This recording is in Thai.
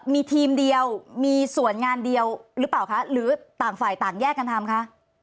มีทีมเดียวมีส่วนงานเดียวหรือเปล่าคะหรือต่างฝ่ายต่างแยกกันทำคะ